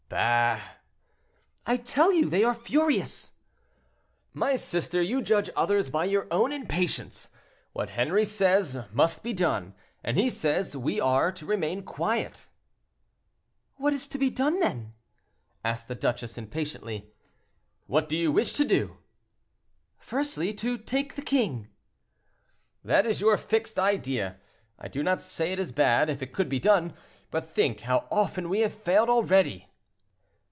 "Bah!" "I tell you they are furious." "My sister, you judge others by your own impatience. What Henri says must be done; and he says we are to remain quiet." "What is to be done, then?" asked the duchess impatiently. "What do you wish to do?" "Firstly, to take the king." "That is your fixed idea; I do not say it is bad, if it could be done, but think how often we have failed already."